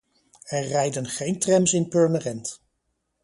Er rijden geen trams in Purmerend.